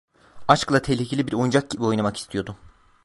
Aşkla tehlikeli bir oyuncak gibi oynamak istiyordum…